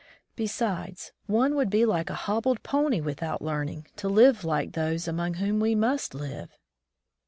Besides, one would be like a hobbled pony without learning to live like those among whom we must live."